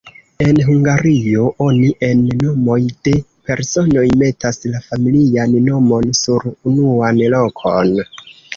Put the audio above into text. En Hungario, oni en nomoj de personoj metas la familian nomon sur unuan lokon.